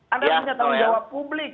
anda punya tanggung jawab publik